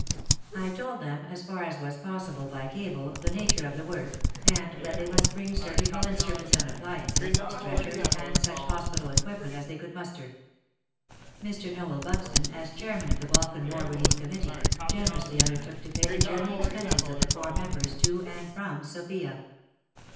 I told them, as far as was possible by cable, the nature of the work, and that they must bring surgical instruments and appliances, stretchers WAR AND WOMEN 47 and such hospital equipment as they could muster. Mr. Noel Buxton, as chairman of the Balkan War Relief Committee," generously undertook to pay the journey expenses of the Corps members to and from Sofia.